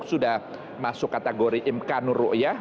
sudah masuk kategori imkanur ruiah